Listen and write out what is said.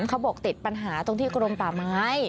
เขาบอกติดปัญหาตรงที่กรมป่าไม้